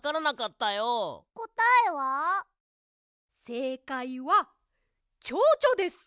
せいかいはチョウチョです！